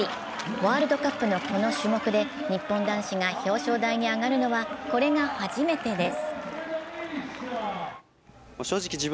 ワールドカップのこの種目で日本男子が表彰台に上がるのはこれが初めてです。